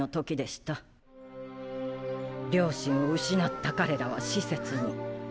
両親を失った彼らは施設に。